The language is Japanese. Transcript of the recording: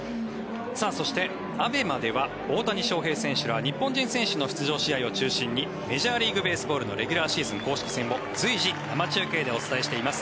そして、ＡＢＥＭＡでは大谷選手ら日本人選手の出場試合を中心にメジャーリーグベースボールのレギュラーシーズン公式戦を随時生中継でお伝えしています。